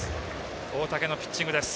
大竹のピッチングです。